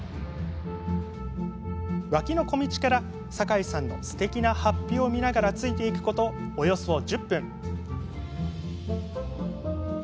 脇の小道から酒井さんのすてきなはっぴを見ながらついていくこと、およそ１０分。